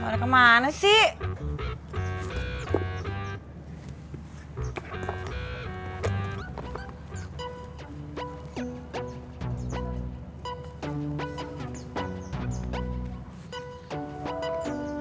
udah ke mana sih